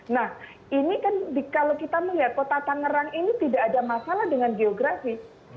nah ini kan kalau kita melihat kota tangerang ini tidak ada masalah dengan geografis